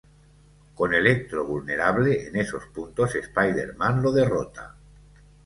Con Electro vulnerable en esos puntos, Spider-Man lo derrota.